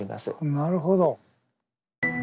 なるほど。